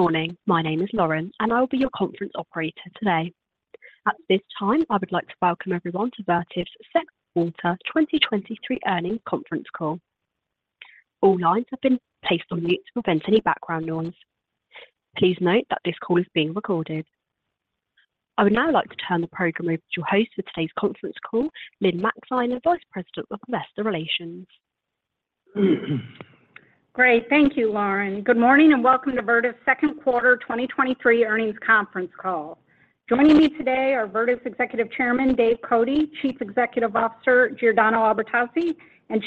Good morning, my name is Lauren, and I will be your conference operator today. At this time, I would like to welcome everyone to Vertiv's Second Quarter 2023 Earnings Conference Call. All lines have been placed on mute to prevent any background noise. Please note that this call is being recorded. I would now like to turn the program over to your host for today's conference call, Lynn Maxeiner, Vice President of Investor Relations. Great. Thank you, Lauren. Good morning, welcome to Vertiv's Second Quarter 2023 Earnings Conference Call. Joining me today are Vertiv's Executive Chairman, Dave Cote, Chief Executive Officer, Giordano Albertazzi,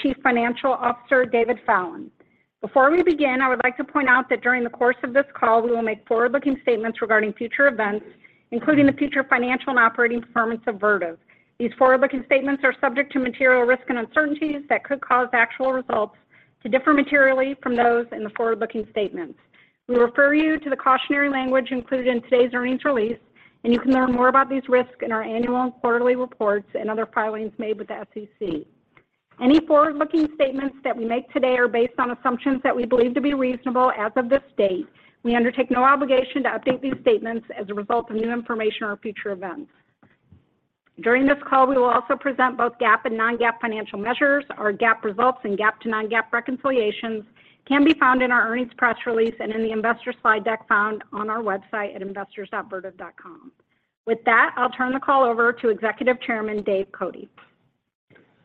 Chief Financial Officer, David Fallon. Before we begin, I would like to point out that during the course of this call, we will make forward-looking statements regarding future events, including the future financial and operating performance of Vertiv. These forward-looking statements are subject to material risks and uncertainties that could cause actual results to differ materially from those in the forward-looking statements. We refer you to the cautionary language included in today's earnings release, you can learn more about these risks in our annual and quarterly reports and other filings made with the SEC. Any forward-looking statements that we make today are based on assumptions that we believe to be reasonable as of this date. We undertake no obligation to update these statements as a result of new information or future events. During this call, we will also present both GAAP and non-GAAP financial measures. Our GAAP results and GAAP to non-GAAP reconciliations can be found in our earnings press release and in the investor slide deck found on our website at investors.vertiv.com. With that, I'll turn the call over to Executive Chairman, Dave Cote.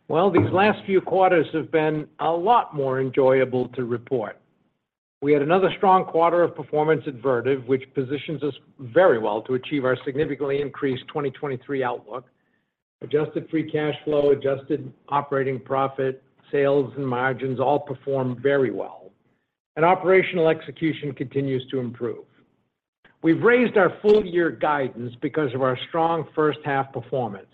Well, these last few quarters have been a lot more enjoyable to report. We had another strong quarter of performance at Vertiv, which positions us very well to achieve our significantly increased 2023 outlook. Adjusted free cash flow, adjusted operating profit, sales, and margins all performed very well, and operational execution continues to improve. We've raised our full-year guidance because of our strong first half performance.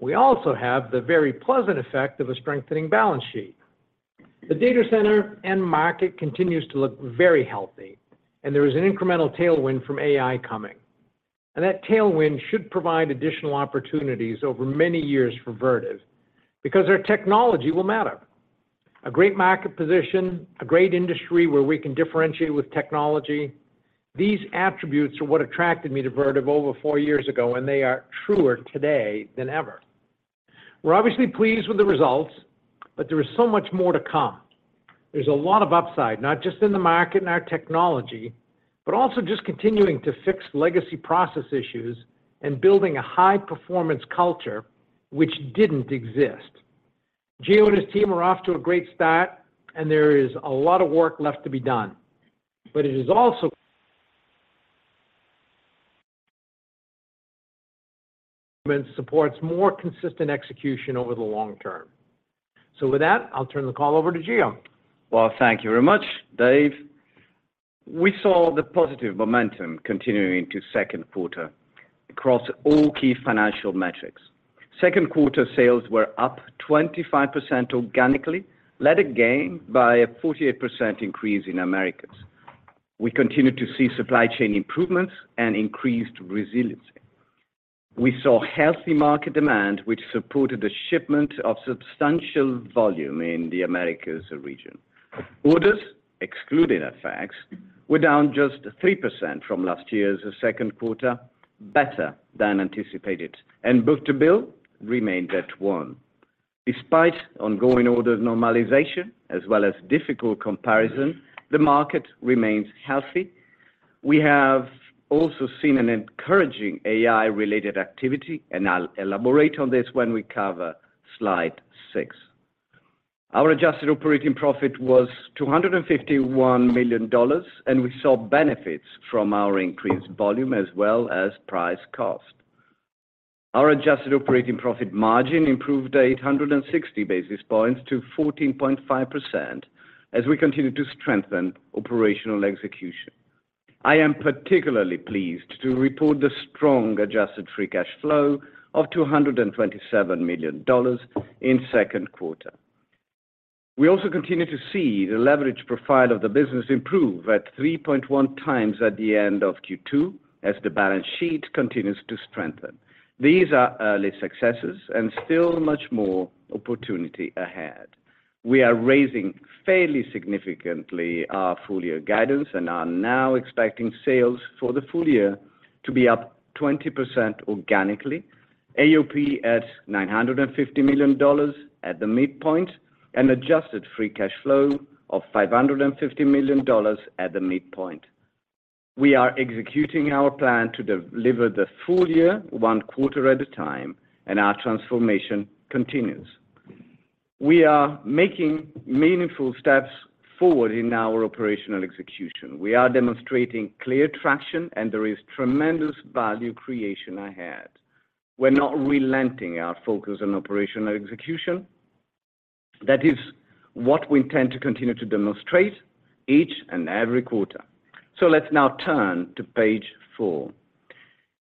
We also have the very pleasant effect of a strengthening balance sheet. The data center end market continues to look very healthy, and there is an incremental tailwind from AI coming. That tailwind should provide additional opportunities over many years for Vertiv because our technology will matter. A great market position, a great industry where we can differentiate with technology. These attributes are what attracted me to Vertiv over four years ago, and they are truer today than ever. We're obviously pleased with the results, but there is so much more to come. There's a lot of upside, not just in the market and our technology, but also just continuing to fix legacy process issues and building a high-performance culture, which didn't exist. Gio and his team are off to a great start, and there is a lot of work left to be done. It is also supports more consistent execution over the long term. With that, I'll turn the call over to Gio. Well, thank you very much, Dave. We saw the positive momentum continuing into Second Quarter across all key financial metrics. Second Quarter sales were up 25% organically, led again by a 48% increase in Americas. We continued to see supply chain improvements and increased resiliency. We saw healthy market demand, which supported the shipment of substantial volume in the Americas region. Orders, excluding effects, were down just 3% from last year's Second Quarter, better than anticipated, and book-to-bill remained at 1. Despite ongoing order normalization, as well as difficult comparison, the market remains healthy. We have also seen an encouraging AI-related activity, and I'll elaborate on this when we cover Slide 6. Our adjusted operating profit was $251 million, and we saw benefits from our increased volume as well as price/cost. Our adjusted operating profit margin improved 860 basis points to 14.5% as we continued to strengthen operational execution. I am particularly pleased to report the strong adjusted free cash flow of $227 million in second quarter. We also continue to see the leverage profile of the business improve at 3.1 times at the end of Q2, as the balance sheet continues to strengthen. These are early successes and still much more opportunity ahead. We are raising fairly significantly our full-year guidance and are now expecting sales for the full year to be up 20% organically, AOP at $950 million at the midpoint, and adjusted free cash flow of $550 million at the midpoint. We are executing our plan to deliver the full year, 1 quarter at a time, and our transformation continues. We are making meaningful steps forward in our operational execution. We are demonstrating clear traction, and there is tremendous value creation ahead. We're not relenting our focus on operational execution. That is what we intend to continue to demonstrate each and every quarter. Let's now turn to page 4.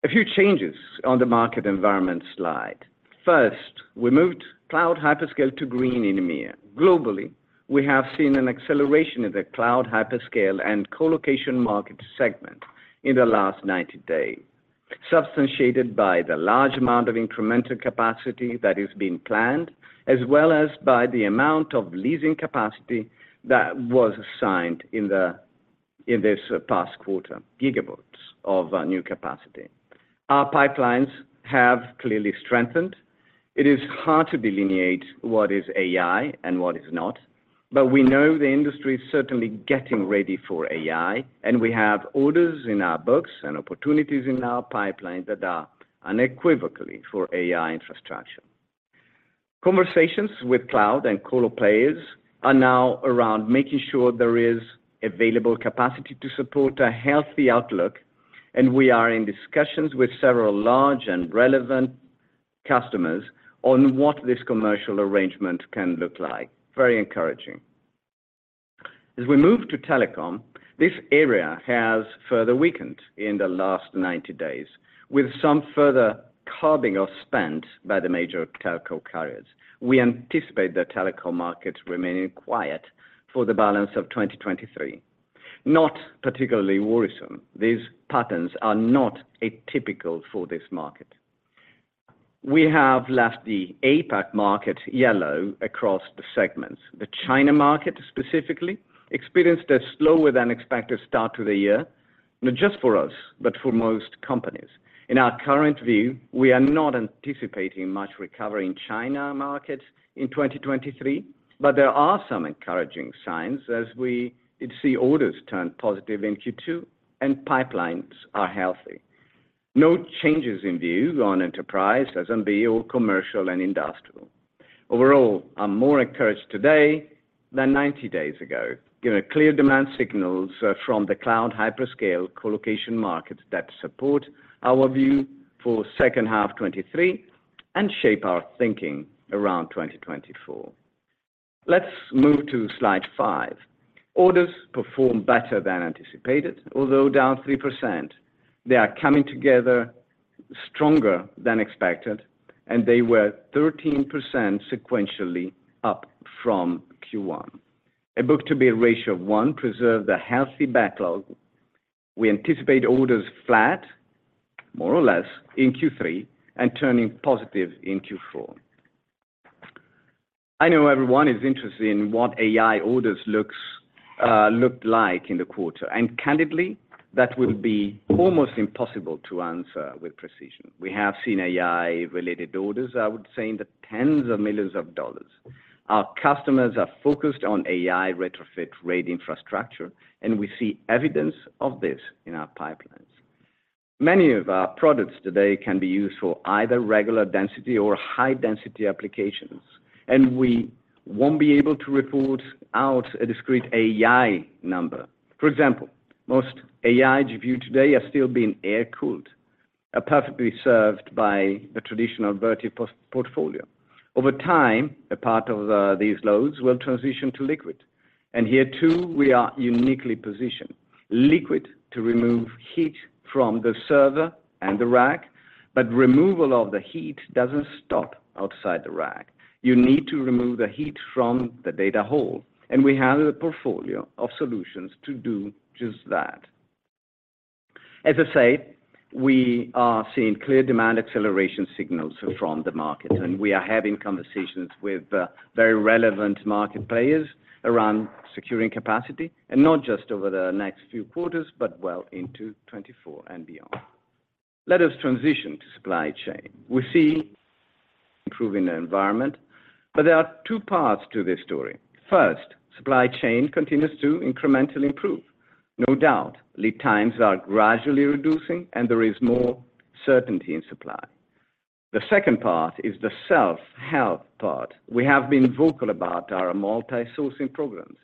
A few changes on the market environment slide. First, we moved cloud hyperscale to green in EMEA. Globally, we have seen an acceleration in the cloud hyperscale and colocation market segment-... in the last 90 days, substantiated by the large amount of incremental capacity that is being planned, as well as by the amount of leasing capacity that was signed in the, in this past quarter, gigawatts of new capacity. Our pipelines have clearly strengthened. It is hard to delineate what is AI and what is not, but we know the industry is certainly getting ready for AI, and we have orders in our books and opportunities in our pipeline that are unequivocally for AI infrastructure. Conversations with cloud and colo players are now around making sure there is available capacity to support a healthy outlook, and we are in discussions with several large and relevant customers on what this commercial arrangement can look like. Very encouraging. As we move to telecom, this area has further weakened in the last 90 days, with some further curbing of spend by the major telco carriers. We anticipate the telecom market remaining quiet for the balance of 2023. Not particularly worrisome. These patterns are not atypical for this market. We have left the APAC market yellow across the segments. The China market, specifically, experienced a slower-than-expected start to the year, not just for us, but for most companies. In our current view, we are not anticipating much recovery in China market in 2023, but there are some encouraging signs as we did see orders turn positive in Q2, and pipelines are healthy. No changes in view on enterprise, SMB, or commercial and industrial. Overall, I'm more encouraged today than 90 days ago, given clear demand signals from the cloud hyperscale colocation markets that support our view for second half 2023 and shape our thinking around 2024. Let's move to slide five. Orders performed better than anticipated, although down 3%. They are coming together stronger than expected, and they were 13% sequentially up from Q1. A book-to-bill ratio of 1 preserved a healthy backlog. We anticipate orders flat, more or less, in Q3 and turning positive in Q4. I know everyone is interested in what AI orders looks, looked like in the quarter, and candidly, that would be almost impossible to answer with precision. We have seen AI-related orders, I would say, in the tens of millions of dollars. Our customers are focused on AI retrofit IT infrastructure, and we see evidence of this in our pipelines. Many of our products today can be used for either regular density or high-density applications, and we won't be able to report out a discrete AI number. For example, most AI GPU today are still being air-cooled, are perfectly served by the traditional Vertiv product portfolio. Over time, a part of these loads will transition to liquid, and here, too, we are uniquely positioned. Liquid to remove heat from the server and the rack. Removal of the heat doesn't stop outside the rack. You need to remove the heat from the data hall, and we have a portfolio of solutions to do just that. As I said, we are seeing clear demand acceleration signals from the market. We are having conversations with very relevant market players around securing capacity, and not just over the next few quarters, but well into 2024 and beyond. Let us transition to supply chain. We see improving the environment. There are two parts to this story. First, supply chain continues to incrementally improve. No doubt, lead times are gradually reducing, and there is more certainty in supply. The second part is the self-help part. We have been vocal about our multi-sourcing programs.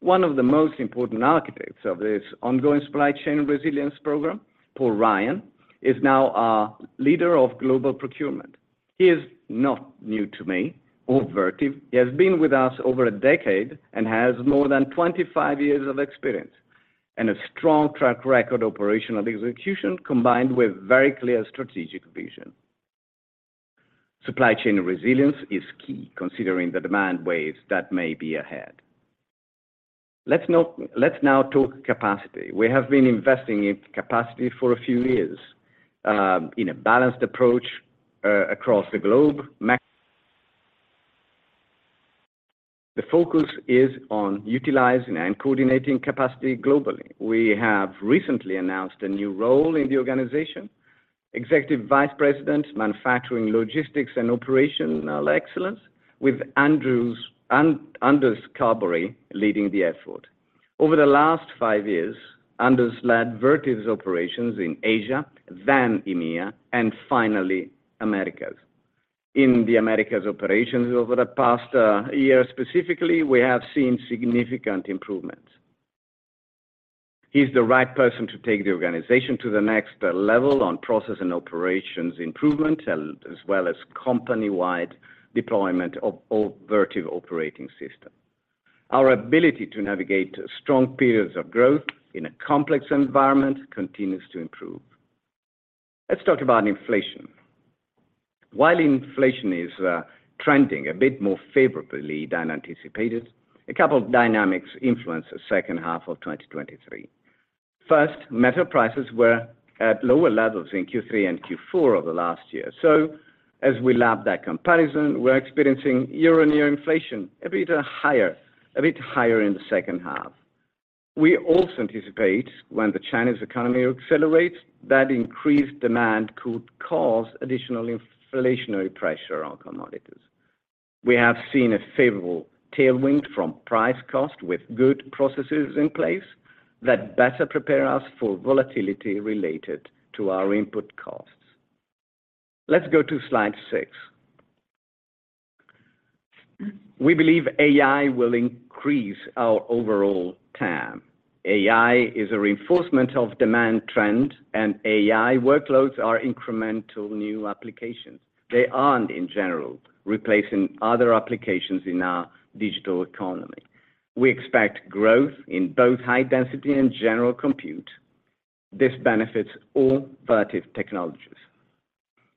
One of the most important architects of this ongoing supply chain resilience program, Paul Ryan, is now our leader of global procurement. He is not new to me or Vertiv. He has been with us over a decade and has more than 25 years of experience, and a strong track record operational execution, combined with very clear strategic vision. Supply chain resilience is key, considering the demand waves that may be ahead. Let's now talk capacity. We have been investing in capacity for a few years in a balanced approach across the globe. The focus is on utilizing and coordinating capacity globally. We have recently announced a new role in the organization, Executive Vice President, Manufacturing, Logistics, and Operational Excellence, with Anders Carbery leading the effort. Over the last five years, Anders led Vertiv's operations in Asia, then EMEA, and finally, Americas. In the Americas operations over the past year specifically, we have seen significant improvements. He's the right person to take the organization to the next level on process and operations improvement, as well as company-wide deployment of all Vertiv Operating System. Our ability to navigate strong periods of growth in a complex environment continues to improve. Let's talk about inflation. While inflation is trending a bit more favorably than anticipated, a couple of dynamics influence the second half of 2023. First, metal prices were at lower levels in Q3 and Q4 of the last year. As we lap that comparison, we're experiencing year-on-year inflation a bit higher, a bit higher in the second half. We also anticipate when the Chinese economy accelerates, that increased demand could cause additional inflationary pressure on commodities. We have seen a favorable tailwind from price/cost with good processes in place that better prepare us for volatility related to our input costs. Let's go to Slide 6. We believe AI will increase our overall TAM. AI is a reinforcement of demand trend. AI workloads are incremental new applications. They aren't, in general, replacing other applications in our digital economy. We expect growth in both high-density and general compute. This benefits all Vertiv technologies.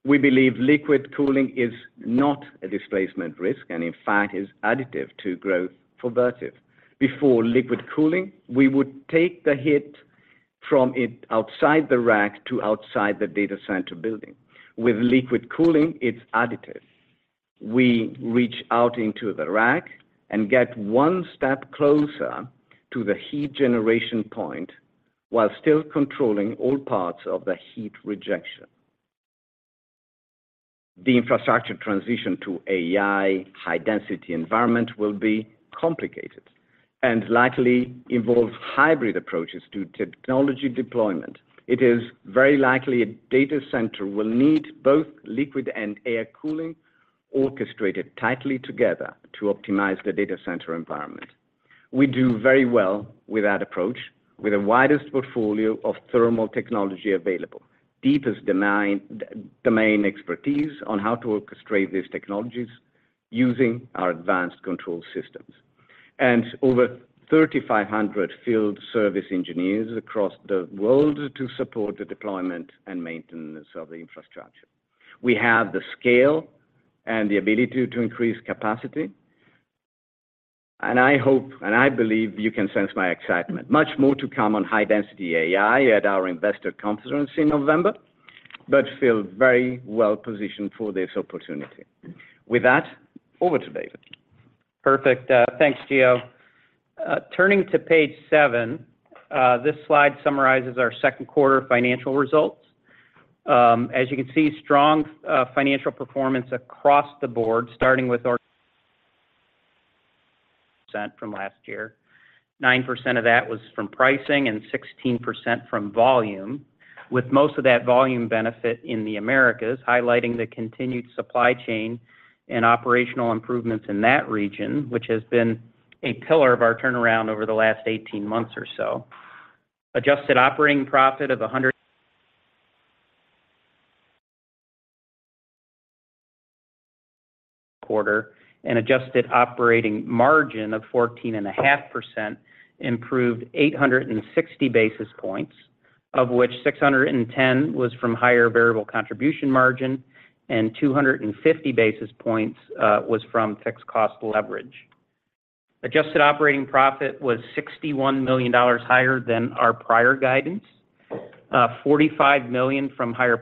We believe liquid cooling is not a displacement risk, and in fact, is additive to growth for Vertiv. Before liquid cooling, we would take the hit from it outside the rack to outside the data center building. With liquid cooling, it's additive. We reach out into the rack and get one step closer to the heat generation point while still controlling all parts of the heat rejection. The infrastructure transition to AI high-density environment will be complicated and likely involve hybrid approaches to technology deployment. It is very likely a data center will need both liquid and air cooling orchestrated tightly together to optimize the data center environment. We do very well with that approach, with the widest portfolio of thermal technology available, deepest domain, domain expertise on how to orchestrate these technologies using our advanced control systems. Over 3,500 field service engineers across the world to support the deployment and maintenance of the infrastructure. We have the scale and the ability to increase capacity, and I hope, and I believe you can sense my excitement. Much more to come on high-density AI at our investor conference in November, but feel very well positioned for this opportunity. With that, over to David. Perfect. Thanks, Gio. Turning to page seven, this slide summarizes our second quarter financial results. As you can see, strong financial performance across the board, starting with our % from last year. 9% of that was from pricing and 16% from volume, with most of that volume benefit in the Americas, highlighting the continued supply chain and operational improvements in that region, which has been a pillar of our turnaround over the last 18 months or so. Adjusted operating profit of a hundred- quarter, and adjusted operating margin of 14.5% improved 860 basis points, of which 610 was from higher variable contribution margin and 250 basis points was from fixed cost leverage. Adjusted operating profit was $61 million higher than our prior guidance, $45 million from higher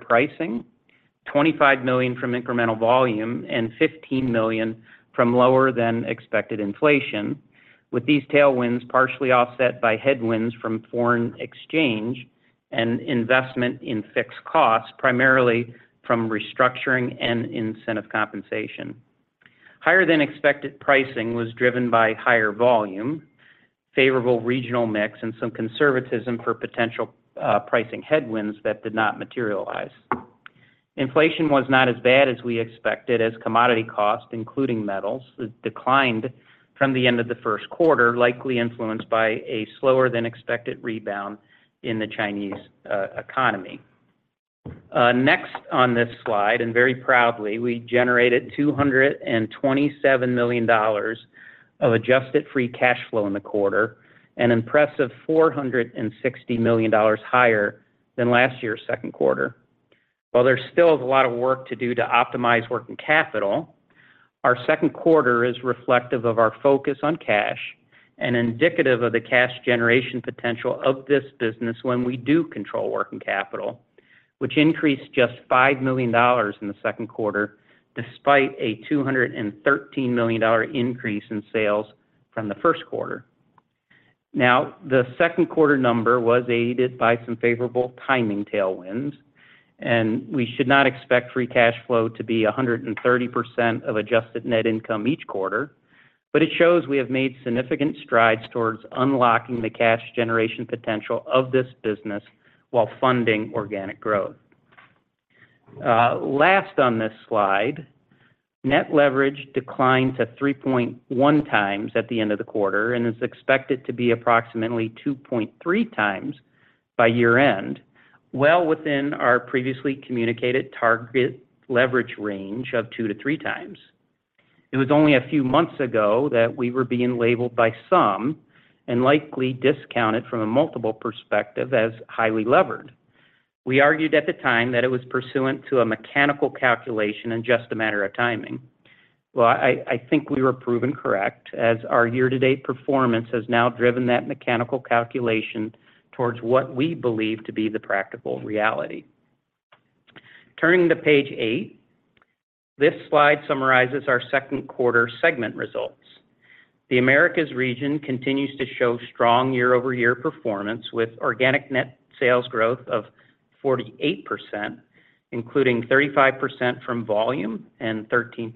pricing, $25 million from incremental volume, and $15 million from lower than expected inflation, with these tailwinds partially offset by headwinds from foreign exchange and investment in fixed costs, primarily from restructuring and incentive compensation. Higher than expected pricing was driven by higher volume, favorable regional mix, and some conservatism for potential pricing headwinds that did not materialize. Inflation was not as bad as we expected, as commodity cost, including metals, declined from the end of the first quarter, likely influenced by a slower than expected rebound in the Chinese economy. Next on this slide, and very proudly, we generated $227 million of adjusted free cash flow in the quarter, an impressive $460 million higher than last year's second quarter. While there still is a lot of work to do to optimize working capital, our second quarter is reflective of our focus on cash and indicative of the cash generation potential of this business when we do control working capital, which increased just $5 million in the second quarter, despite a $213 million increase in sales from the first quarter. Now, the second quarter number was aided by some favorable timing tailwinds, and we should not expect free cash flow to be 130% of adjusted net income each quarter, but it shows we have made significant strides towards unlocking the cash generation potential of this business while funding organic growth. Last on this slide, net leverage declined to 3.1x at the end of the quarter and is expected to be approximately 2.3x by year-end, well within our previously communicated target leverage range of 2x-3x. It was only a few months ago that we were being labeled by some and likely discounted from a multiple perspective as highly levered. We argued at the time that it was pursuant to a mechanical calculation and just a matter of timing. Well, I think we were proven correct, as our year-to-date performance has now driven that mechanical calculation towards what we believe to be the practical reality. Turning to page 8, this slide summarizes our second quarter segment results. The Americas region continues to show strong year-over-year performance, with organic net sales growth of 48%, including 35% from volume and 13%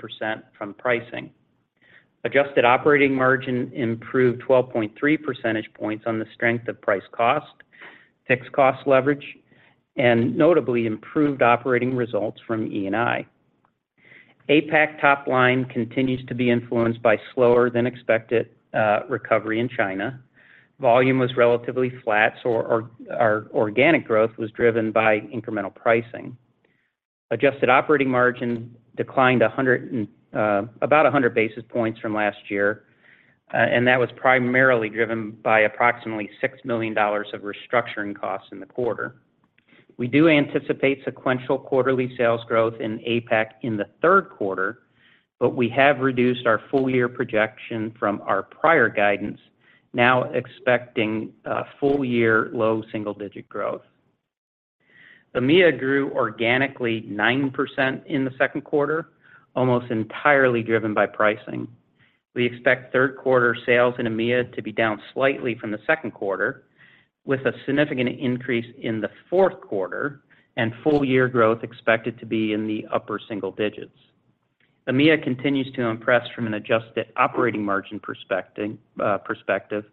from pricing. Adjusted operating margin improved 12.3 percentage points on the strength of price/cost, fixed cost leverage, and notably improved operating results from E&I. APAC top line continues to be influenced by slower than expected recovery in China. Volume was relatively flat, so our, our organic growth was driven by incremental pricing. Adjusted operating margin declined 100 basis points from last year, and that was primarily driven by approximately $6 million of restructuring costs in the quarter. We do anticipate sequential quarterly sales growth in APAC in Q3, but we have reduced our full-year projection from our prior guidance, now expecting a full-year low single-digit growth. EMEA grew organically 9% in the second quarter, almost entirely driven by pricing. We expect third quarter sales in EMEA to be down slightly from the second quarter, with a significant increase in the fourth quarter and full year growth expected to be in the upper single digits. EMEA continues to impress from an adjusted operating margin perspecting, perspective,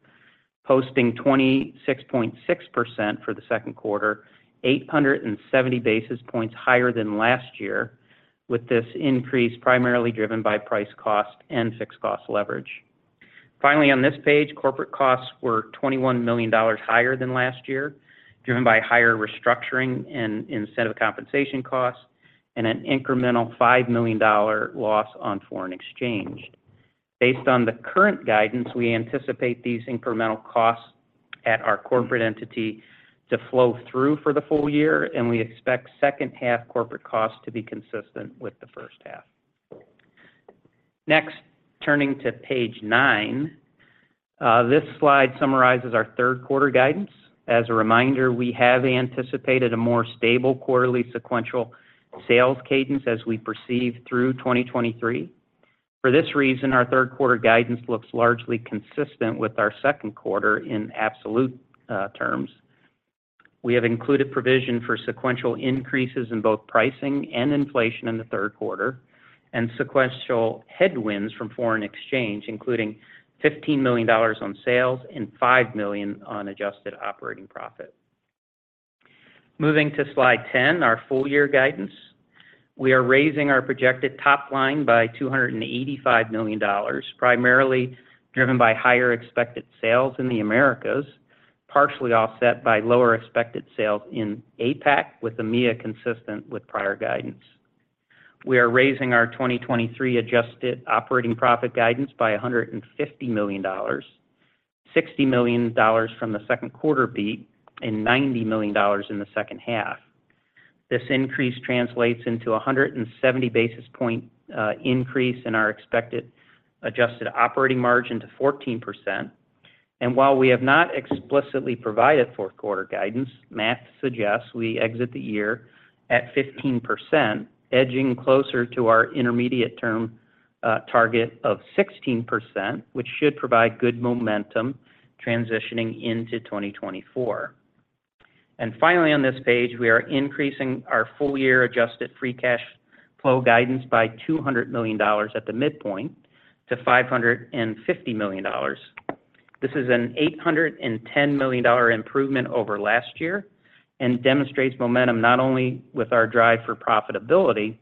posting 26.6% for the second quarter, 870 basis points higher than last year, with this increase primarily driven by price/cost and fixed cost leverage. Finally, on this page, corporate costs were $21 million higher than last year, driven by higher restructuring and incentive compensation costs and an incremental $5 million loss on foreign exchange. Based on the current guidance, we anticipate these incremental costs at our corporate entity to flow through for the full year, and we expect second half corporate costs to be consistent with the first half. Next, turning to page 9. This slide summarizes our third quarter guidance. As a reminder, we have anticipated a more stable quarterly sequential sales cadence as we proceed through 2023. For this reason, our third quarter guidance looks largely consistent with our second quarter in absolute terms. We have included provision for sequential increases in both pricing and inflation in the third quarter, and sequential headwinds from foreign exchange, including $15 million on sales and $5 million on adjusted operating profit. Moving to slide 10, our full year guidance. We are raising our projected top line by $285 million, primarily driven by higher expected sales in the Americas, partially offset by lower expected sales in APAC, with EMEA consistent with prior guidance. We are raising our 2023 adjusted operating profit guidance by $150 million, $60 million from the second quarter beat and $90 million in the second half. This increase translates into 170 basis point increase in our expected adjusted operating margin to 14%. While we have not explicitly provided fourth quarter guidance, math suggests we exit the year at 15%, edging closer to our intermediate term target of 16%, which should provide good momentum transitioning into 2024. Finally, on this page, we are increasing our full year adjusted free cash flow guidance by $200 million at the midpoint to $550 million. This is an $810 million improvement over last year and demonstrates momentum not only with our drive for profitability,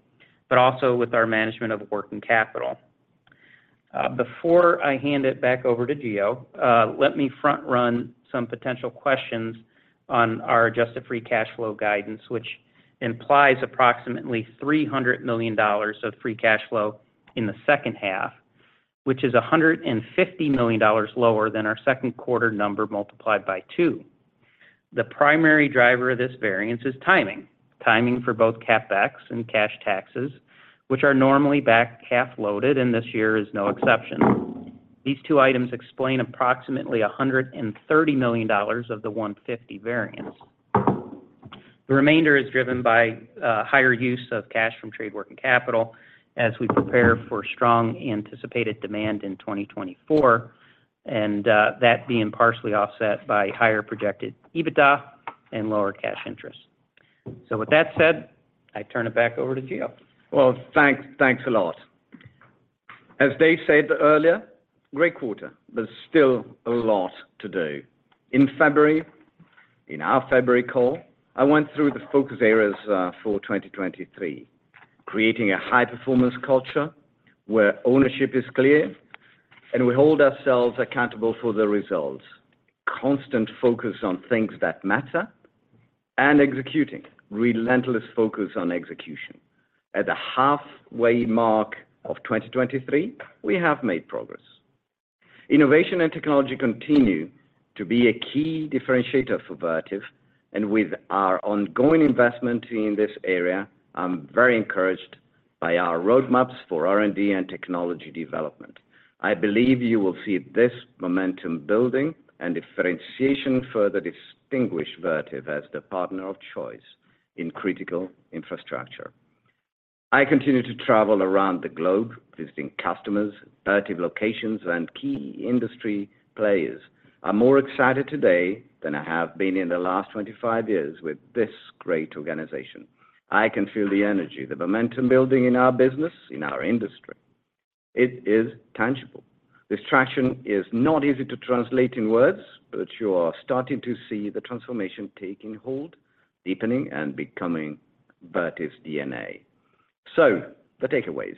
but also with our management of working capital. Before I hand it back over to Gio, let me front run some potential questions on our adjusted free cash flow guidance, which implies approximately $300 million of free cash flow in the second half, which is $150 million lower than our second quarter number multiplied by 2. The primary driver of this variance is timing. Timing for both CapEx and cash taxes, which are normally back half loaded, and this year is no exception. These two items explain approximately $130 million of the $150 variance. The remainder is driven by higher use of cash from trade working capital as we prepare for strong anticipated demand in 2024, and that being partially offset by higher projected EBITDA and lower cash interest. With that said, I turn it back over to Gio. Well, thanks. Thanks a lot. As Dave said earlier, great quarter, but still a lot to do. In February, in our February call, I went through the focus areas for 2023, creating a high-performance culture where ownership is clear and we hold ourselves accountable for the results. Constant focus on things that matter. Executing. Relentless focus on execution. At the halfway mark of 2023, we have made progress. Innovation and technology continue to be a key differentiator for Vertiv, and with our ongoing investment in this area, I'm very encouraged by our roadmaps for R&D and technology development. I believe you will see this momentum building and differentiation further distinguish Vertiv as the partner of choice in critical infrastructure. I continue to travel around the globe, visiting customers, Vertiv locations, and key industry players. I'm more excited today than I have been in the last 25 years with this great organization. I can feel the energy, the momentum building in our business, in our industry. It is tangible. This traction is not easy to translate in words, but you are starting to see the transformation taking hold, deepening, and becoming Vertiv's DNA. The takeaways: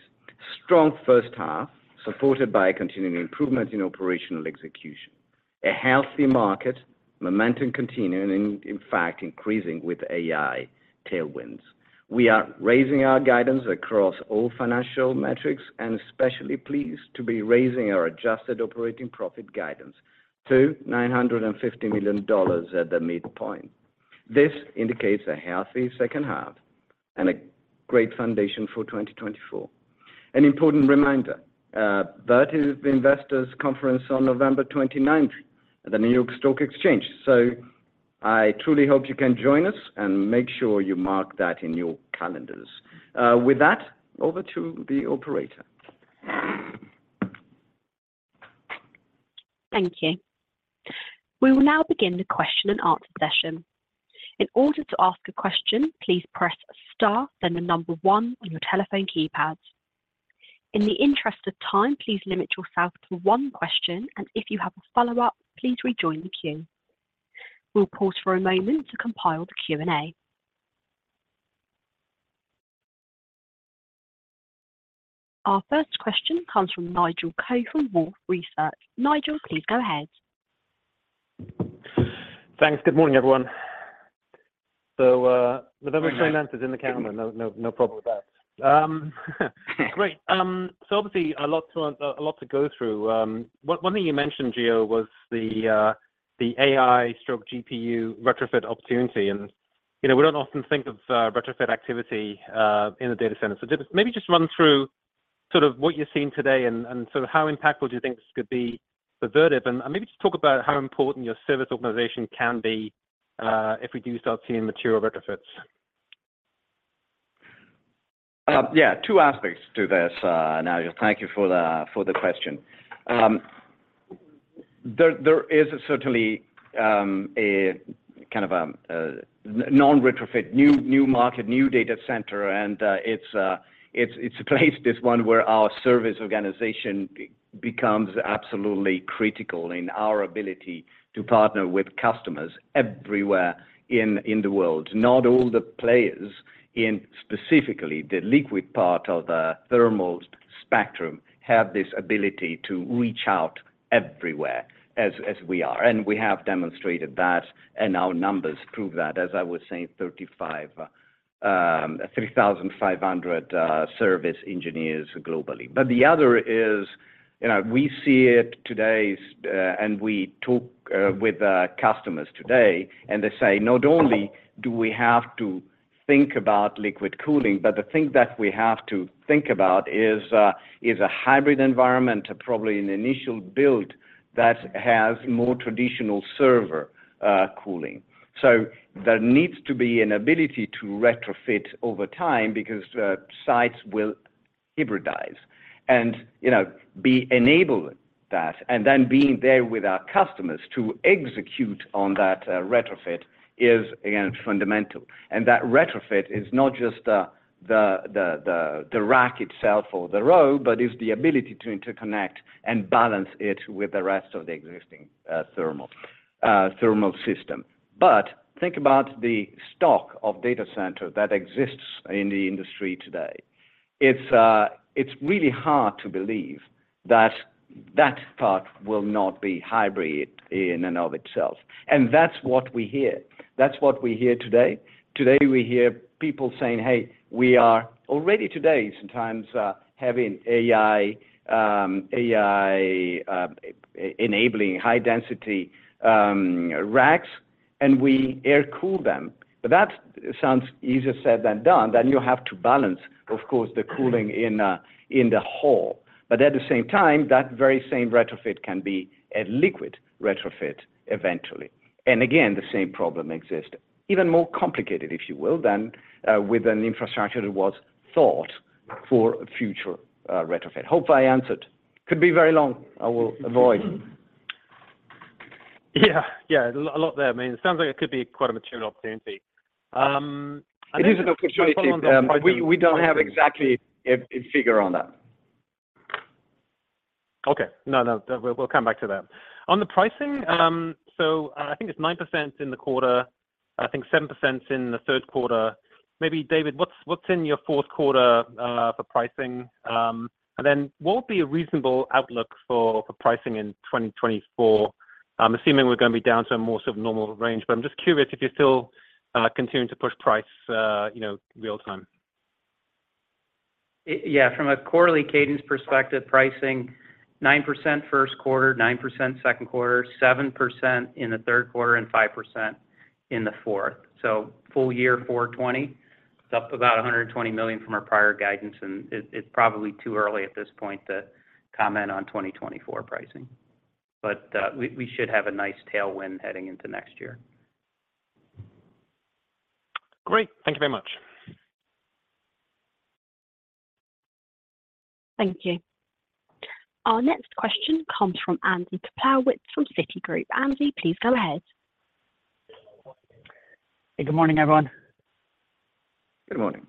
strong first half, supported by continuing improvement in operational execution. A healthy market, momentum continuing, in fact, increasing with AI tailwinds. We are raising our guidance across all financial metrics, and especially pleased to be raising our adjusted operating profit guidance to $950 million at the midpoint. This indicates a healthy second half and a great foundation for 2024. An important reminder, Vertiv's Investors Conference on November 29th at the New York Stock Exchange. I truly hope you can join us and make sure you mark that in your calendars. With that, over to the operator. Thank you. We will now begin the question and answer session. In order to ask a question, please press star, then the number 1 on your telephone keypad. In the interest of time, please limit yourself to 1 question, and if you have a follow-up, please rejoin the queue. We'll pause for a moment to compile the Q&A. Our first question comes from Nigel Coe from Wolfe Research. Nigel, please go ahead. Thanks. Good morning, everyone. November 29th is in the calendar. No, no, no problem with that. Great. Obviously, a lot to, a lot to go through. One thing you mentioned, Gio, was the AI GPU retrofit opportunity. You know, we don't often think of retrofit activity in a data center. Maybe just run through sort of what you're seeing today and, and sort of how impactful do you think this could be for Vertiv, and maybe just talk about how important your service organization can be if we do start seeing material retrofits. Yeah, two aspects to this, Nigel. Thank you for the question. There is certainly a kind of non-retrofit, new market, new data center, and it's a place, this one, where our service organization becomes absolutely critical in our ability to partner with customers everywhere in the world. Not all the players in, specifically, the liquid part of the thermals spectrum, have this ability to reach out everywhere as we are. We have demonstrated that, and our numbers prove that, as I was saying, 3,500 service engineers globally. The other is, you know, we see it today, and we talk with our customers today, and they say, "Not only do we have to think about liquid cooling, but the thing that we have to think about is a, is a hybrid environment, probably an initial build that has more traditional server cooling." There needs to be an ability to retrofit over time because the sites will hybridize. You know, be enable that, and then being there with our customers to execute on that retrofit is, again, fundamental. That retrofit is not just the, the, the, the rack itself or the row, but is the ability to interconnect and balance it with the rest of the existing thermal thermal system. Think about the stock of data center that exists in the industry today. It's really hard to believe that that part will not be hybrid in and of itself. That's what we hear. That's what we hear today. Today, we hear people saying, "Hey, we are already today sometimes having AI enabling high-density racks, and we air cool them." That sounds easier said than done. You have to balance, of course, the cooling in the data hall. At the same time, that very same retrofit can be a liquid retrofit eventually. Again, the same problem exists. Even more complicated, if you will, than with an infrastructure that was thought for a future retrofit. Hope I answered. Could be very long, I will avoid. Yeah, yeah, a lot there. I mean, it sounds like it could be quite a mature opportunity. It is a maturity. Follow on to the pricing- We don't have exactly a figure on that. Okay. No, no, we'll, we'll come back to that. On the pricing, I think it's 9% in the quarter, I think 7% in the third quarter. Maybe David, what's, what's in your fourth quarter for pricing? What would be a reasonable outlook for pricing in 2024? I'm assuming we're gonna be down to a more sort of normal range, but I'm just curious if you're still continuing to push price, you know, real time? Yeah, from a quarterly cadence perspective, pricing 9% first quarter, 9% second quarter, 7% in the third quarter, and 5% in the fourth. Full year, $420 million, it's up about $120 million from our prior guidance, and it's probably too early at this point to comment on 2024 pricing. We should have a nice tailwind heading into next year. Great. Thank you very much. Thank you. Our next question comes from Andy Peplow from Citigroup. Andy, please go ahead. Hey, good morning, everyone. Good morning.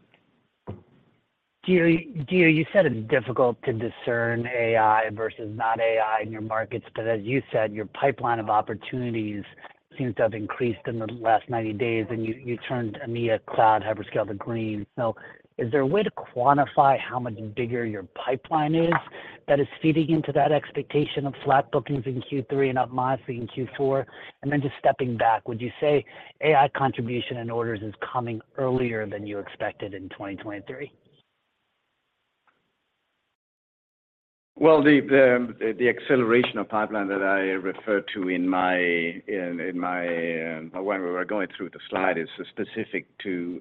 Gio, Gio, you said it's difficult to discern AI versus not AI in your markets, as you said, your pipeline of opportunities seems to have increased in the last 90 days, you, you turned EMEA cloud hyperscale green. Is there a way to quantify how much bigger your pipeline is that is feeding into that expectation of flat bookings in Q3 and up modestly in Q4? Then just stepping back, would you say AI contribution and orders is coming earlier than you expected in 2023? Well, the, the, the acceleration of pipeline that I referred to in my, in, in my, when we were going through the slide, is specific to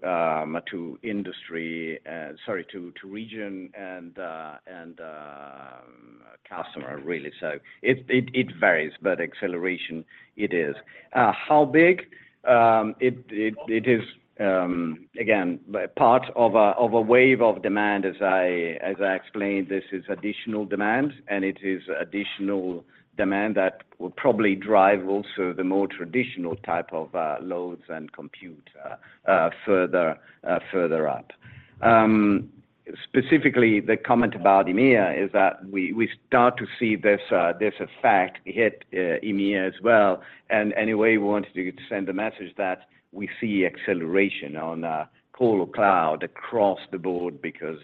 industry, sorry, to region and, and customer, really. It, it, it varies, but acceleration it is. How big? It, it, it is again part of a wave of demand. As I, as I explained, this is additional demand, and it is additional demand that will probably drive also the more traditional type of loads and compute further, further up. Specifically, the comment about EMEA is that we, we start to see this effect hit EMEA as well. Anyway, we wanted to send a message that we see acceleration on core cloud across the board because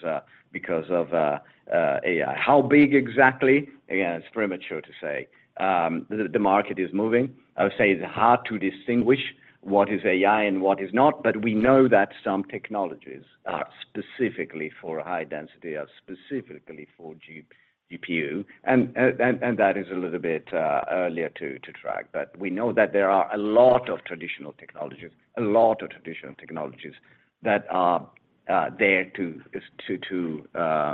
because of AI. How big exactly? Again, it's premature to say. The market is moving. I would say it's hard to distinguish what is AI and what is not, but we know that some technologies are specifically for high density, are specifically for GPU. That is a little bit earlier to track. But we know that there are a lot of traditional technologies, a lot of traditional technologies that are there to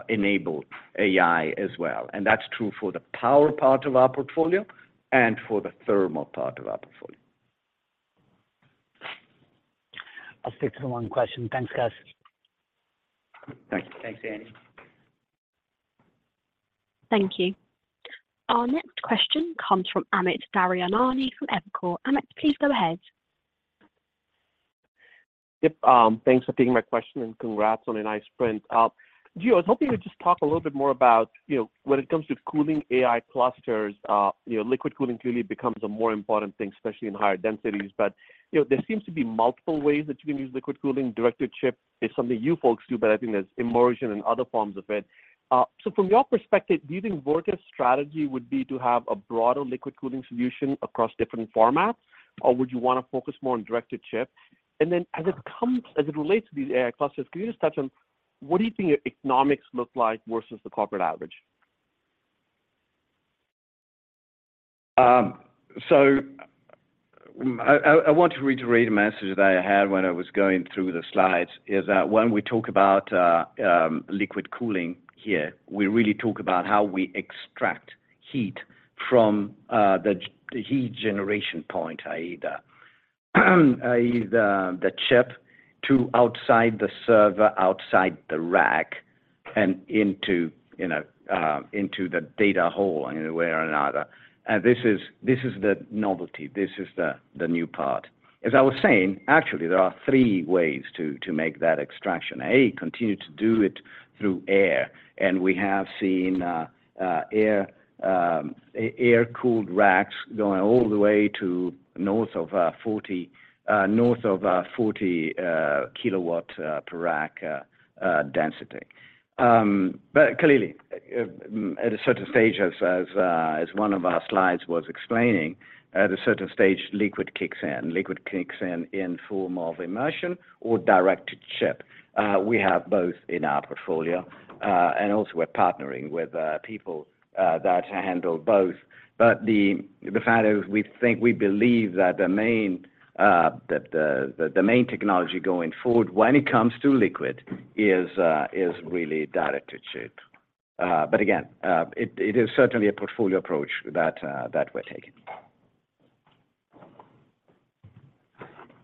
enable AI as well. That's true for the power part of our portfolio and for the thermal part of our portfolio. I'll stick to the one question. Thanks, guys. Thanks. Thanks, Andy. Thank you. Our next question comes from Amit Daryanani from Evercore. Amit, please go ahead. Yep, thanks for taking my question, and congrats on a nice sprint. Gio, I was hoping you would just talk a little bit more about, you know, when it comes to cooling AI clusters, you know, liquid cooling clearly becomes a more important thing, especially in higher densities. You know, there seems to be multiple ways that you can use liquid cooling. Direct to chip is something you folks do, but I think there's immersion and other forms of it. From your perspective, do you think Vertiv's strategy would be to have a broader liquid cooling solution across different formats, or would you want to focus more on Direct to chip? Then as it relates to these AI clusters, can you just touch on what do you think the economics look like versus the corporate average? So I, I, I want to reiterate a message that I had when I was going through the slides, is that when we talk about liquid cooling here, we really talk about how we extract heat from the heat generation point, i.e., the, i.e., the chip to outside the server, outside the rack, and into, you know, into the data hall in a way or another. This is, this is the novelty, this is the new part. As I was saying, actually, there are three ways to make that extraction. A. Continue to do it through air, and we have seen air cooled racks going all the way to north of 40, north of 40 kW per rack density. But clearly, at a certain stage, as one of our slides was explaining, at a certain stage, liquid kicks in. Liquid kicks in in form of immersion or direct to chip. We have both in our portfolio, and also we're partnering with people that handle both. But the fact is, we think we believe that the main, the main technology going forward when it comes to liquid is really direct to chip. But again, it is certainly a portfolio approach that we're taking.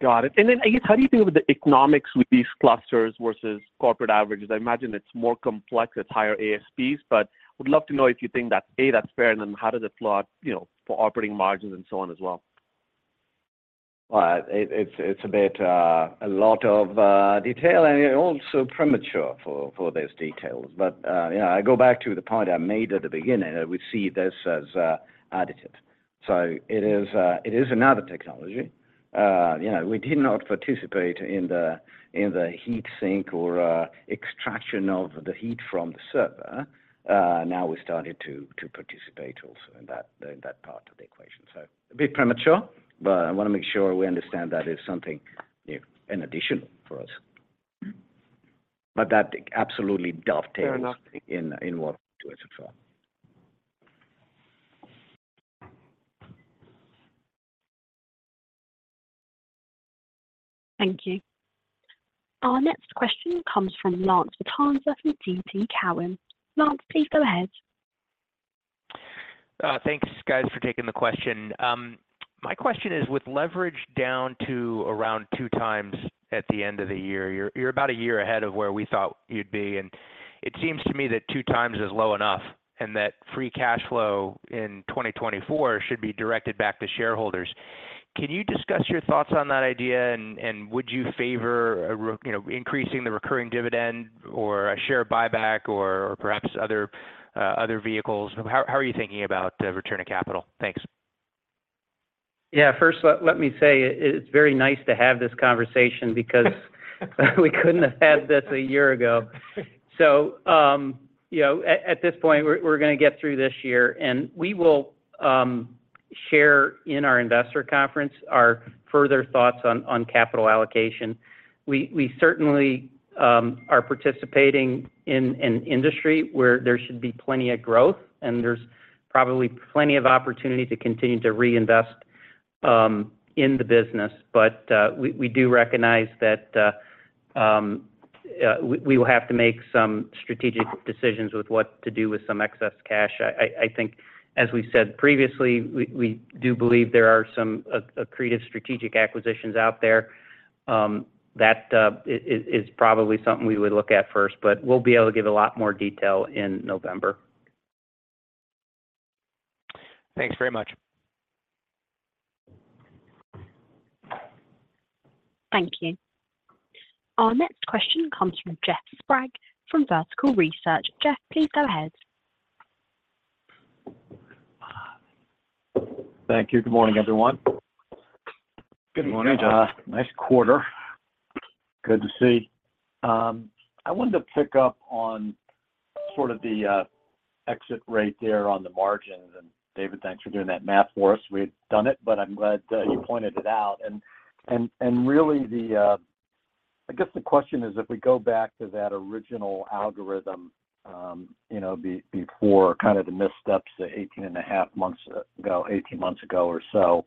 Got it. Then, I guess, how do you deal with the economics with these clusters versus corporate averages? I imagine it's more complex, it's higher ASPs, but would love to know if you think that's, A, that's fair, and then how does it slot, you know, for operating margins and so on as well? Well, it, it's, it's a bit, a lot of detail and also premature for, for those details. Yeah, I go back to the point I made at the beginning, that we see this as, additive. It is, it is another technology. You know, we did not participate in the, in the heat sink or, extraction of the heat from the server. Now we started to participate also in that, in that part of the equation. A bit premature, but I want to make sure we understand that is something new in additional for us. That absolutely dovetails- Fair enough. in what to it as well. Thank you. Our next question comes from Lance Vitanza from TD Cowen. Lance, please go ahead. Thanks, guys, for taking the question. My question is, with leverage down to around 2 times at the end of the year, you're about a year ahead of where we thought you'd be, and it seems to me that 2 times is low enough, and that free cash flow in 2024 should be directed back to shareholders. Can you discuss your thoughts on that idea? Would you favor, you know, increasing the recurring dividend or a share buyback or perhaps other vehicles? How are you thinking about return of capital? Thanks. Yeah, first, let, let me say it, it's very nice to have this conversation we couldn't have had this a year ago. you know, at, at this point, we're, we're gonna get through this year, and we will share in our investor conference our further thoughts on, on capital allocation. We, we certainly are participating in an industry where there should be plenty of growth, and there's probably plenty of opportunity to continue to reinvest in the business. we, we do recognize that we, we will have to make some strategic decisions with what to do with some excess cash. I, I, I think, as we said previously, we, we do believe there are some accretive strategic acquisitions out there. That is probably something we would look at first, but we'll be able to give a lot more detail in November. Thanks very much. Thank you. Our next question comes from Jeff Sprague from Vertical Research. Jeff, please go ahead. Thank you. Good morning, everyone. Good morning, Jeff. Nice quarter. Good to see. I wanted to pick up on sort of the exit rate there on the margins. David, thanks for doing that math for us. We had done it, but I'm glad you pointed it out. Really, I guess the question is, if we go back to that original algorithm, you know, before kind of the missteps, the 18 and a half months ago, 18 months ago or so,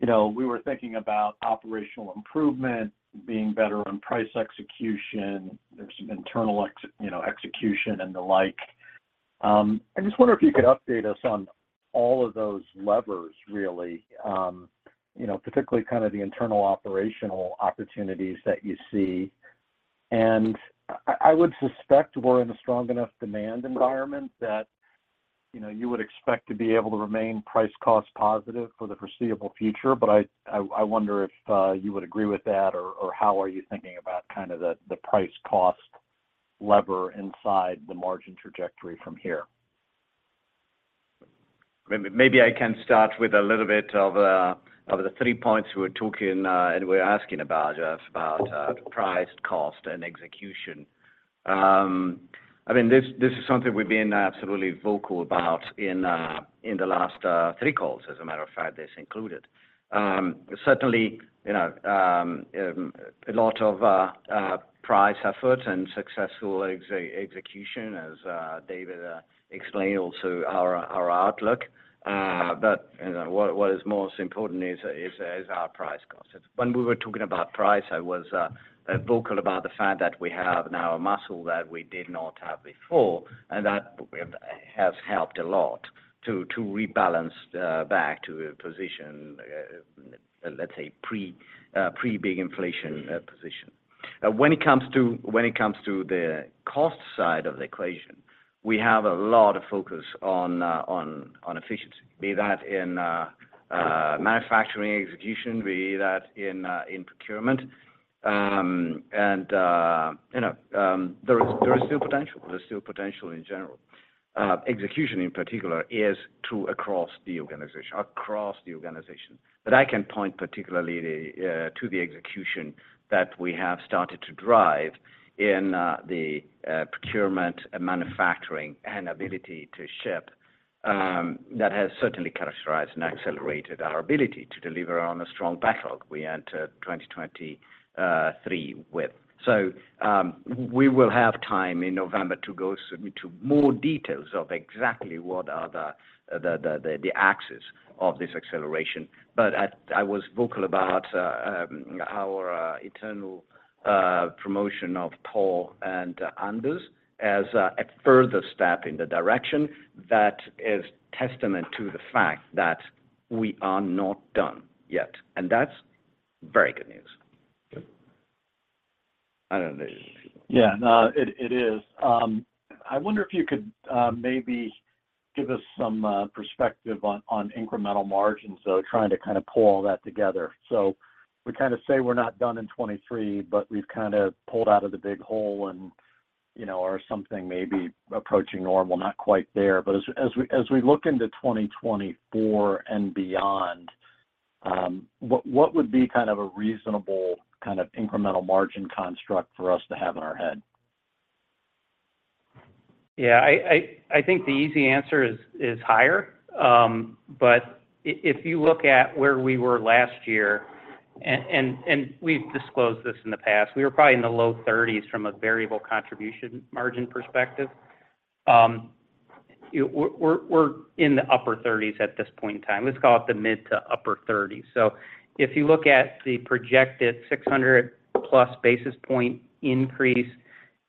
you know, we were thinking about operational improvement, being better on price execution, there's some internal you know, execution and the like. I just wonder if you could update us on all of those levers, really, you know, particularly kind of the internal operational opportunities that you see. I, I would suspect we're in a strong enough demand environment that, you know, you would expect to be able to remain price/cost positive for the foreseeable future. I, I, I wonder if you would agree with that, or, or how are you thinking about kind of the, the price/cost lever inside the margin trajectory from here? I can start with a little bit of the three points we were talking and we're asking about price, cost, and execution. I mean, this, this is something we've been absolutely vocal about in the last three calls, as a matter of fact, this included. Certainly, you know, a lot of price efforts and successful execution, as David explained also our outlook, but, you know, what, what is most important is our price/cost. When we were talking about price, I was vocal about the fact that we have now a muscle that we did not have before, and that has helped a lot to rebalance back to a position, let's say, pre pre-big inflation position. When it comes to, when it comes to the cost side of the equation, we have a lot of focus on, on, on efficiency, be that in, manufacturing execution, be that in, in procurement. You know, there is, there is still potential. There's still potential in general. Execution, in particular, is true across the organization, across the organization. I can point particularly, to the execution that we have started to drive in, the, procurement and manufacturing and ability to ship, that has certainly characterized and accelerated our ability to deliver on a strong backlog we enter 2023 with. We will have time in November to go into more details of exactly what are the, the, the, the axis of this acceleration. I was vocal about our internal promotion of Paul and Anders as a further step in the direction that is testament to the fact that we are not done yet, and that's very good news. I don't know. Yeah, no, it, it is. I wonder if you could, maybe give us some, perspective on, on incremental margins, so trying to kind of pull all that together. We kind of say we're not done in 2023, but we've kind of pulled out of the big hole you know, or something maybe approaching normal, not quite there. As, as we, as we look into 2024 and beyond, what, what would be kind of a reasonable kind of incremental margin construct for us to have in our head? Yeah, I, I, I think the easy answer is, is higher. If you look at where we were last year, we've disclosed this in the past, we were probably in the low 30s from a variable contribution margin perspective. We're in the upper 30s at this point in time. Let's call it the mid- to upper 30s. If you look at the projected 600+ basis point increase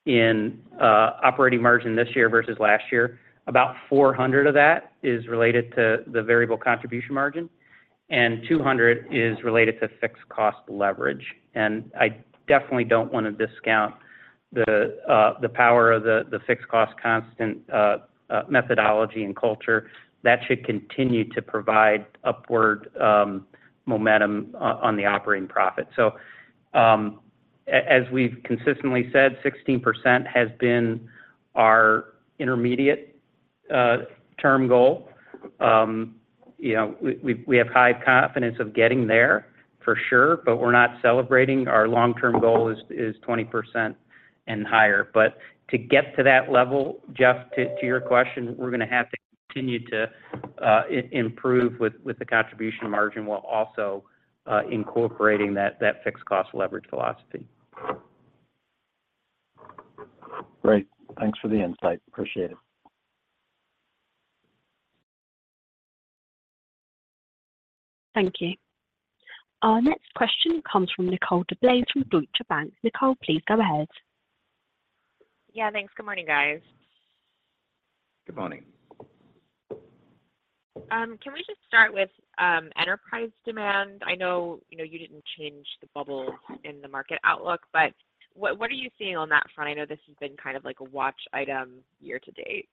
in operating margin this year versus last year, about 400 of that is related to the variable contribution margin, and 200 is related to fixed cost leverage. I definitely don't wanna discount the power of the fixed cost constant methodology and culture. That should continue to provide upward momentum on the operating profit. As we've consistently said, 16% has been our intermediate term goal. You know, we, we, we have high confidence of getting there for sure, but we're not celebrating. Our long-term goal is, is 20% and higher. To get to that level, Jeff, to, to your question, we're gonna have to continue to improve with, with the contribution margin, while also incorporating that, that fixed cost leverage philosophy. Great. Thanks for the insight. Appreciate it. Thank you. Our next question comes from Nicole DeBlase from Deutsche Bank. Nicole, please go ahead. Yeah, thanks. Good morning, guys. Good morning. Can we just start with enterprise demand? I know, you know, you didn't change the bubble in the market outlook, but what, what are you seeing on that front? I know this has been kind of like a watch item year-to-date.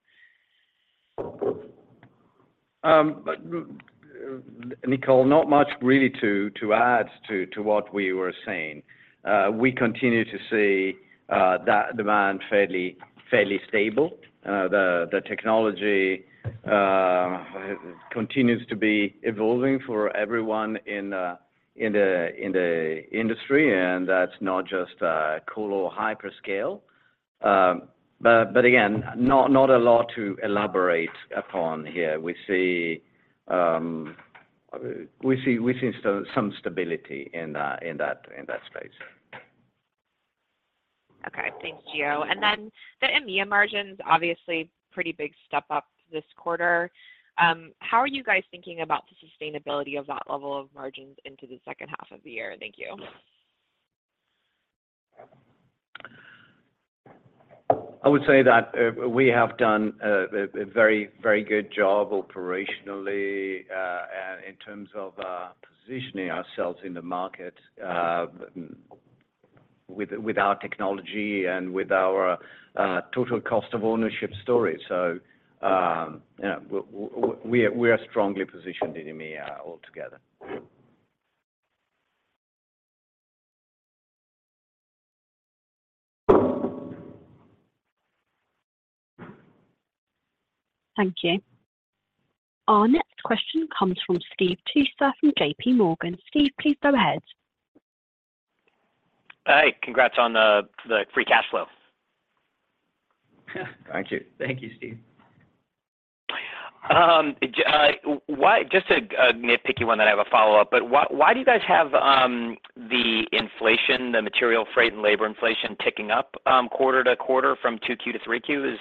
Nicole, not much really to, to add to, to what we were saying. We continue to see that demand fairly, fairly stable. The, the technology continues to be evolving for everyone in the, in the industry, and that's not just cool or hyperscale. Again, not, not a lot to elaborate upon here. We see, we see, we see some, some stability in that, in that space. Okay. Thanks, Gio. The EMEA margins, obviously pretty big step up this quarter. How are you guys thinking about the sustainability of that level of margins into the second half of the year? Thank you. I would say that, we have done a very, very good job operationally, and in terms of, positioning ourselves in the market, with our technology and with our total cost of ownership story. You know, we are strongly positioned in EMEA altogether. Thank you. Our next question comes from Steve Tusa from J.P. Morgan. Steve, please go ahead. Hi, congrats on the, the free cash flow. Thank you. Thank you, Steve. Why just a nitpicky one, I have a follow-up. Why, why do you guys have the inflation, the material freight and labor inflation ticking up quarter to quarter from 2Q to 3Q?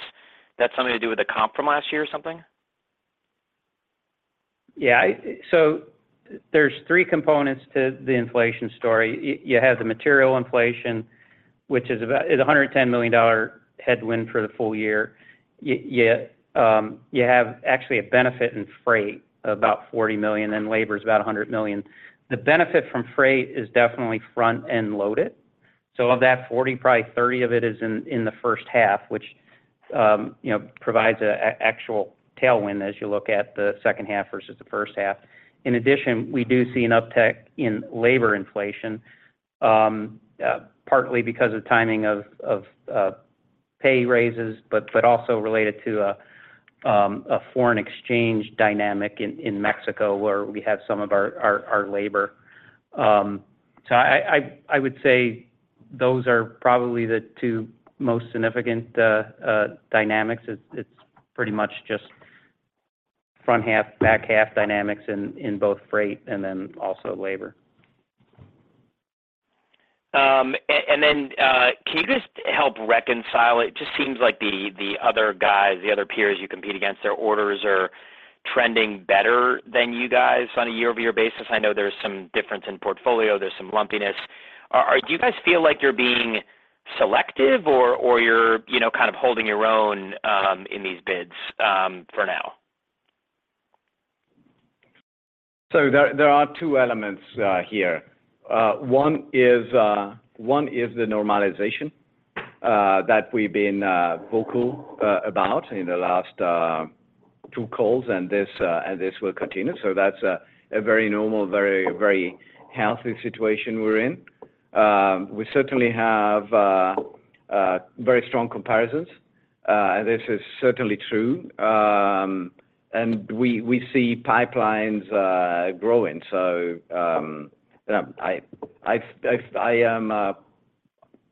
Is that something to do with the comp from last year or something? There's three components to the inflation story. You have the material inflation, which is about, it's a $110 million headwind for the full year. You have actually a benefit in freight, about $40 million, and labor is about $100 million. The benefit from freight is definitely front-end loaded. Of that 40, probably 30 of it is in the first half, which, you know, provides a actual tailwind as you look at the second half versus the first half. We do see an uptick in labor inflation, partly because of timing of pay raises, but also related to a foreign exchange dynamic in Mexico, where we have some of our labor. I, I, I would say those are probably the two most significant dynamics. It's, it's pretty much just front half, back half dynamics in both freight and then also labor. Can you just help reconcile? It just seems like the other guys, the other peers you compete against, their orders are trending better than you guys on a year-over-year basis. I know there's some difference in portfolio, there's some lumpiness. Do you guys feel like you're being selective or, or you're, you know, kind of holding your own, in these bids, for now? There, there are two elements here. One is, one is the normalization that we've been vocal about in the last two calls and this and this will continue. That's a very normal, very, very healthy situation we're in. We certainly have very strong comparisons, and this is certainly true. We, we see pipelines growing. I am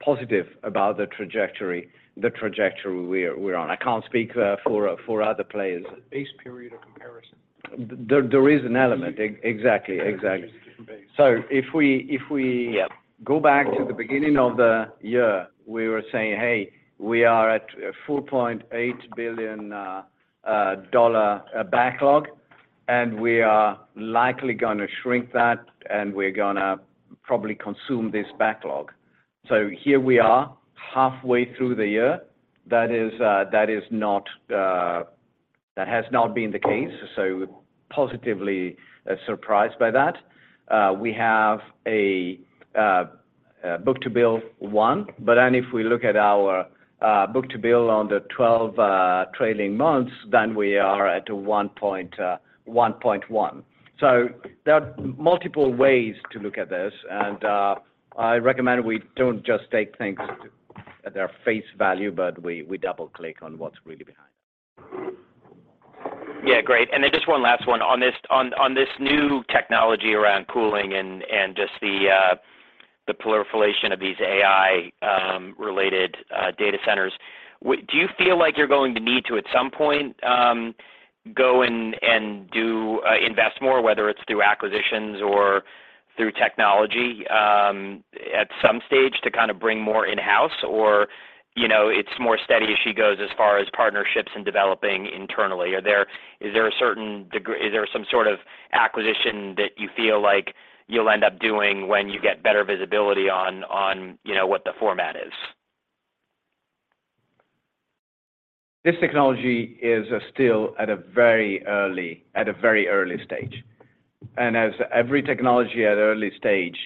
positive about the trajectory, the trajectory we're, we're on. I can't speak for other players. Base period of comparison. There, there is an element, exactly, exactly. Different base. if we- Yeah Go back to the beginning of the year, we were saying, "Hey, we are at a $4.8 billion backlog, and we are likely gonna shrink that, and we're gonna probably consume this backlog." Here we are, halfway through the year. That is, that is not, that has not been the case, so positively, surprised by that. We have a book-to-bill 1, but then if we look at our book-to-bill on the 12 trailing months, then we are at a 1.1. There are multiple ways to look at this, and I recommend we don't just take things at their face value, but we, we double-click on what's really behind. Yeah, great. Then just one last one. On this new technology around cooling and just the proliferation of these AI-related data centers, do you feel like you're going to need to, at some point, go and do invest more, whether it's through acquisitions or through technology, at some stage to kind of bring more in-house, or, you know, it's more steady as she goes, as far as partnerships and developing internally? Is there some sort of acquisition that you feel like you'll end up doing when you get better visibility on, on, you know, what the format is? This technology is still at a very early, at a very early stage. As every technology at an early stage,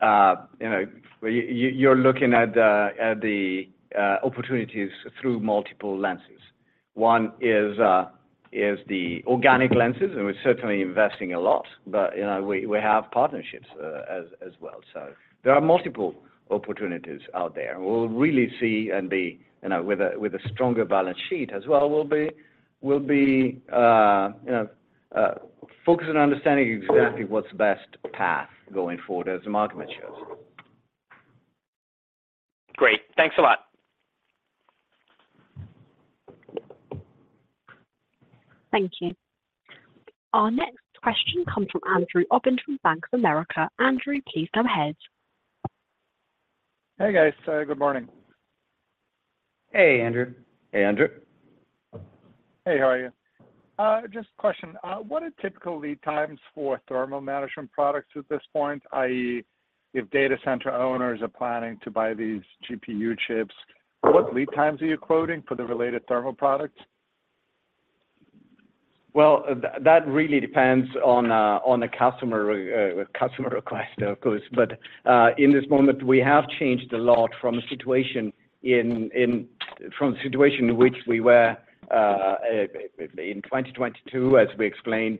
you know, you, you're looking at, at the, opportunities through multiple lenses. One is, is the organic lenses, and we're certainly investing a lot, but, you know, we, we have partnerships, as, as well. There are multiple opportunities out there. We'll really see and be, you know, with a, with a stronger balance sheet as well, we'll be, we'll be, you know, focusing on understanding exactly what's the best path going forward as the market matures. Great. Thanks a lot. Thank you. Our next question comes from Andrew Obin from Bank of America. Andrew, please go ahead. Hey, guys, good morning. Hey, Anders. Hey, Anders. Hey, how are you? Just a question, what are typical lead times for thermal management products at this point? i.e., if data center owners are planning to buy these GPU chips, what lead times are you quoting for the related thermal products? That really depends on the customer, customer request, of course. In this moment, we have changed a lot from a situation in, from a situation in which we were in 2022, as we explained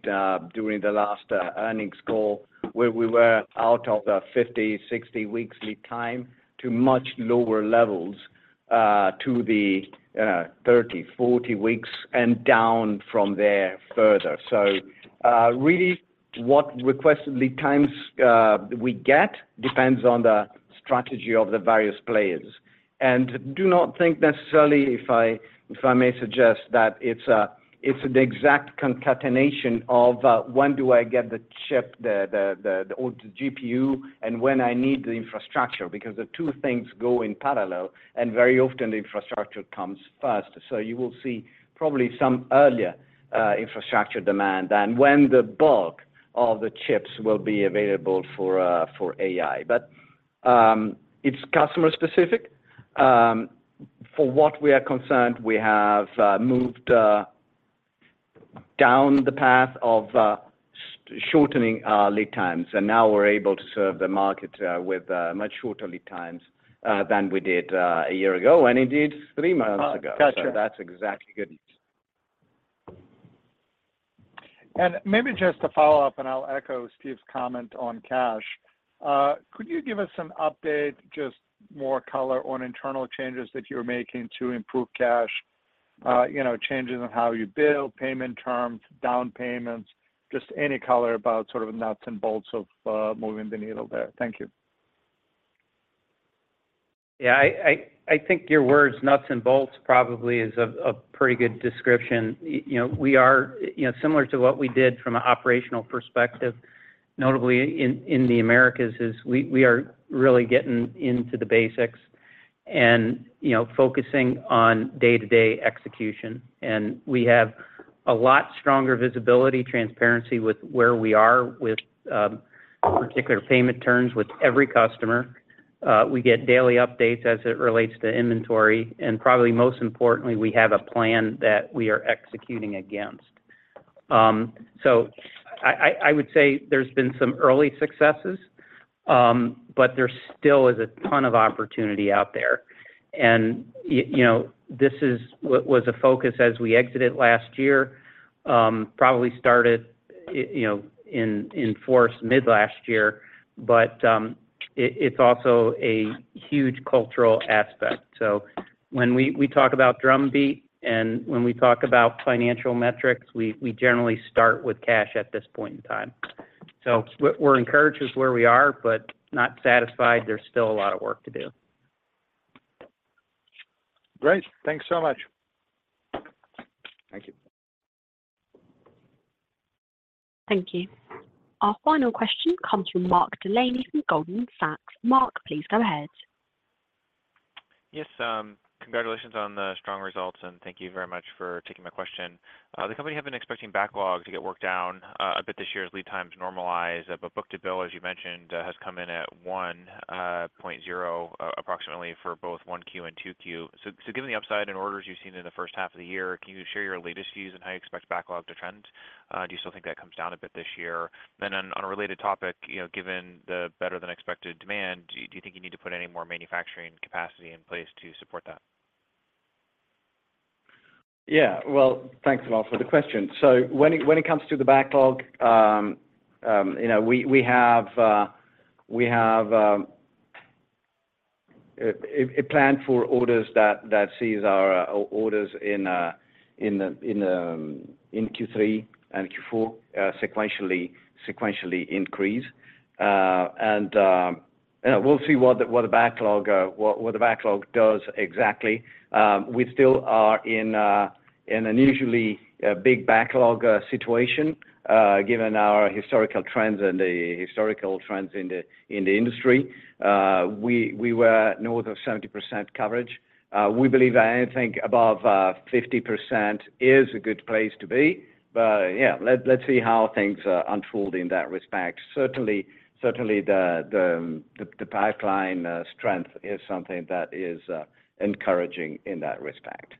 during the last earnings call, where we were out of the 50-60 weeks lead time to much lower levels, to the 30-40 weeks and down from there further. Really, what requested lead times we get depends on the strategy of the various players. Do not think necessarily, if I, if I may suggest, that it's the exact concatenation of when do I get the chip, the, the, the, or the GPU, and when I need the infrastructure, because the two things go in parallel, and very often the infrastructure comes first. You will see probably some earlier, infrastructure demand than when the bulk of the chips will be available for, for AI. It's customer specific. For what we are concerned, we have, moved, down the path of, shortening our lead times, and now we're able to serve the market, with, much shorter lead times, than we did, 1 year ago, and indeed, 3 months ago. Got you. That's exactly good news. Maybe just to follow up, and I'll echo Steve's comment on cash. Could you give us some update, just more color on internal changes that you're making to improve cash? You know, changes in how you bill, payment terms, down payments, just any color about sort of the nuts and bolts of moving the needle there. Thank you. Yeah, I think your words, nuts and bolts, probably is a, a pretty good description. You know, we are, you know, similar to what we did from an operational perspective, notably in the Americas, is we, we are really getting into the basics and, you know, focusing on day-to-day execution. We have a lot stronger visibility, transparency with where we are with particular payment terms with every customer. We get daily updates as it relates to inventory, and probably most importantly, we have a plan that we are executing against. So, I would say there's been some early successes, but there still is a ton of opportunity out there. Y- you know, this is what was a focus as we exited last year, probably started i- you know, in, in force mid last year. It, it's also a huge cultural aspect. When we, we talk about drum beat and when we talk about financial metrics, we, we generally start with cash at this point in time. We're, we're encouraged with where we are, but not satisfied. There's still a lot of work to do. Great. Thanks so much. Thank you. Thank you. Our final question comes from Mark Delaney from Goldman Sachs. Mark, please go ahead. Yes, congratulations on the strong results, and thank you very much for taking my question. The company had been expecting backlog to get worked down a bit this year as lead times normalize. Book-to-bill, as you mentioned, has come in at 1.0 approximately for both Q1 and Q2. Given the upside in orders you've seen in the first half of the year, can you share your latest views on how you expect backlog to trend? Do you still think that comes down a bit this year? On a related topic, you know, given the better-than-expected demand, do you think you need to put any more manufacturing capacity in place to support that? Yeah. Well, thanks a lot for the question. When it comes to the backlog, you know, we have a plan for orders that sees our orders in the in Q3 and Q4 sequentially increase. We'll see what the backlog what the backlog does exactly. We still are in an unusually big backlog situation given our historical trends and the historical trends in the industry. We were north of 70% coverage. We believe that anything above 50% is a good place to be, but, yeah, let's see how things unfold in that respect. Certainly, certainly the, the, the, the pipeline strength is something that is encouraging in that respect.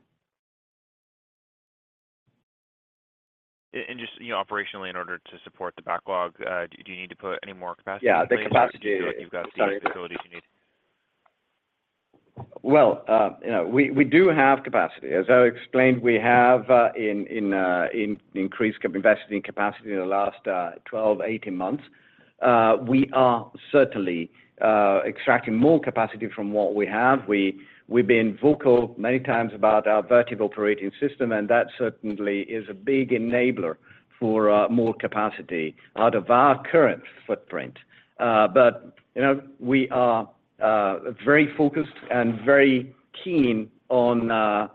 Just, you know, operationally, in order to support the backlog, do you need to put any more capacity- Yeah, the capacity. Do you feel like you've got the facilities you need? Well, you know, we, we do have capacity. As I explained, we have invested in capacity in the last 12, 18 months. We are certainly extracting more capacity from what we have. We, we've been vocal many times about our Vertiv Operating System, and that certainly is a big enabler for more capacity out of our current footprint. You know, we are very focused and very keen on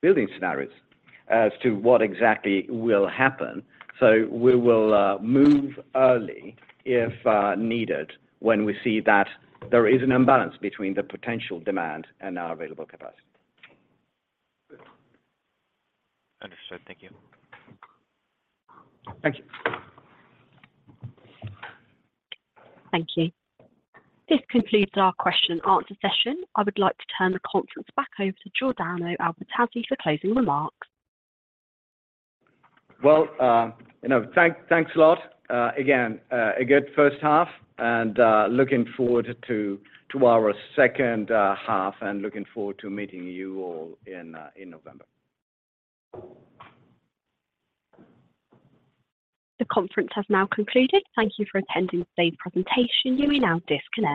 building scenarios as to what exactly will happen. We will move early if needed, when we see that there is an imbalance between the potential demand and our available capacity. Understood. Thank you. Thank you. Thank you. This concludes our question and answer session. I would like to turn the conference back over to Giordano Albertazzi for closing remarks. Well, you know, thank, thanks a lot. Again, a good first half, and looking forward to, to our second half, and looking forward to meeting you all in, in November. The conference has now concluded. Thank you for attending today's presentation. You may now disconnect.